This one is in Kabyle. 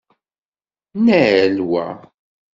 Nnal wa!